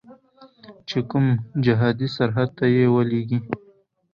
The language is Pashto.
چې کوم جهادي سرحد ته یې ولیږي.